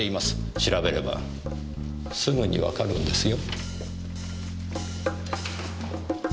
調べればすぐにわかるんですよ。